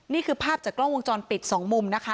นี่คือภาพจากกล้องวงจรปิดสองมุมนะคะ